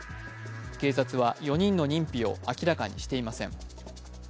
警察は４人の認否を明らかにしていません。